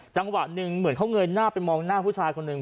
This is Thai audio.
จังหวะหนึ่งเหมือนเขาเงยหน้าไปมองหน้าผู้ชายคนหนึ่ง